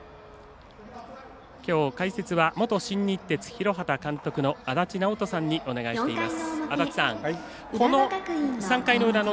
きょう解説は元新日鉄広畑監督の足達尚人さんにお願いしています。